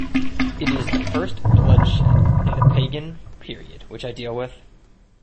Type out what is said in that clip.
It is the first blood shed in the pagan period which I deal with.